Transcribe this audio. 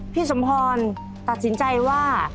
พี่สมพรตัดสินใจว่า